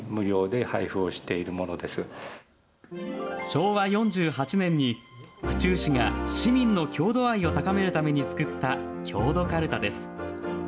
昭和４８年に府中市が市民の郷土愛を高めるために作った郷土かるたです。